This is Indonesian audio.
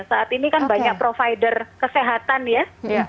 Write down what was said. saat ini kan banyak provider kesehatan ya